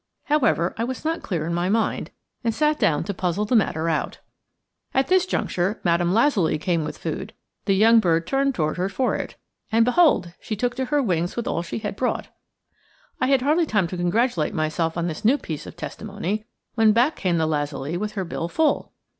However, I was not clear in my mind, and sat down to puzzle the matter out. At this juncture Madame Lazuli came with food; the young bird turned toward her for it, and behold! she took to her wings with all she had brought. I had hardly time to congratulate myself on this new piece of testimony, when back came the lazuli with her bill full!